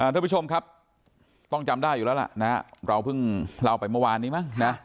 ทุกผู้ชมครับต้องจำได้อยู่แล้วล่ะนะเราเพิ่งเล่าไปเมื่อวานนี้มั้งนะ